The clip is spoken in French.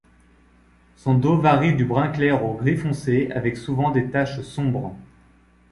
Son dos varie du brun clair au gris foncé avec souvent des taches sombres.